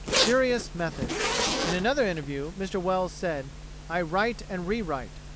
"[134:A] Curious Methods In another interview Mr Wells said, "I write and re write.